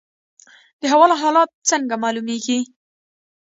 د هوا حالات څنګه معلومیږي؟